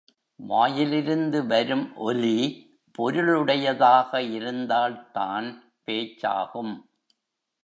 வாயிலிருந்து வரும் ஒலி பொருளுடையதாக இருந்தால்தான் பேச்சாகும்.